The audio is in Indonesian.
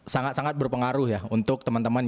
sangat sangat berpengaruh ya untuk teman teman